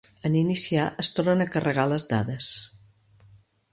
En iniciar, es tornen a carregar les dades.